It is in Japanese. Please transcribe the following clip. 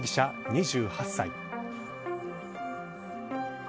２８歳。